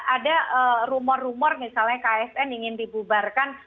ada rumor rumor misalnya ksn ingin dibubarkan